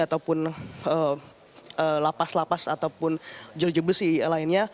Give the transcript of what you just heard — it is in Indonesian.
meskipun lapas lapas ataupun jelujur besi lainnya